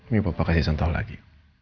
nih papa kasih tau lagi